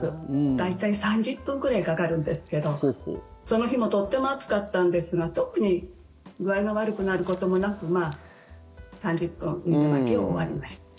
大体３０分ぐらいかかるんですけどその日もとっても暑かったんですが特に具合が悪くなることもなく３０分で水まきは終わりました。